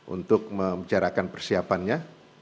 untuk menjarakan persiapannya